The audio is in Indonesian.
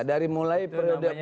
dari mulai periode bumega